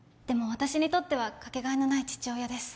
私にとってはかけがえのない父親です